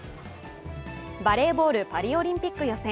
バレーボール・パリオリンピック予選。